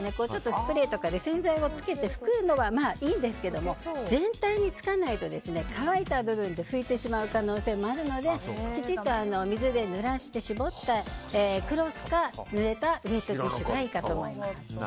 スプレーとかで洗剤をつけて拭くのはいいんですけど全体につかないと乾いた部分で拭いてしまう可能性もあるのできちっと水でぬらして絞ったクロスか濡れたウェットティッシュがいいかと思います。